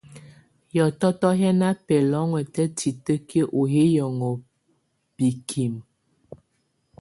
Hiɔtɔtɔ hɛ na bɛlɔnŋɔtɛ titəkiə ɔ hi hiɔnŋɔ bikimə.